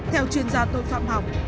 theo chuyên gia tôi phạm học